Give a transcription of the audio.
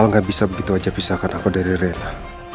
anda nggak bisa begitu saja pisahkan saya dari reina